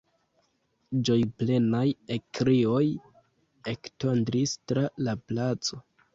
Ĝojplenaj ekkrioj ektondris tra la placo.